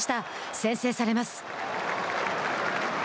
先制されます。